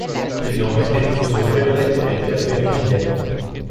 Il nome è diffuso prevalentemente al femminile.